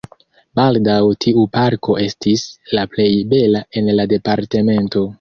Baldaŭ tiu parko estis la plej bela en la departemento.